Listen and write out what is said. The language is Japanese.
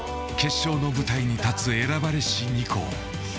決勝の舞台に立つ選ばれし２校。